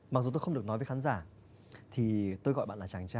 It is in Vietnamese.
mặc dù tôi không được nói với khán giả